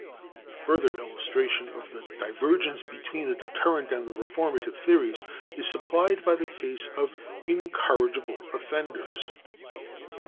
A further illustration of the divergence between the deterrent and the reformative theories is supplied by the case of incorrigible offenders.